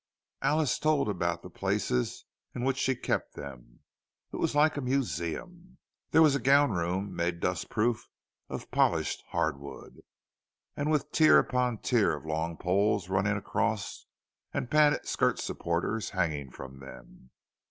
Alice told about the places in which she kept them—it was like a museum! There was a gown room, made dust proof, of polished hardwood, and with tier upon tier of long poles running across, and padded skirt supporters hanging from them.